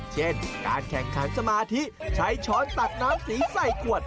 เช่นการแข่งขันสมาธิใช้ช้อนตักน้ำสีใส่ขวด